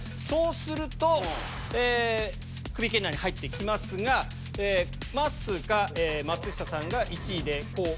そうするとクビ圏内に入って来ますがまっすーか松下さんが１位で。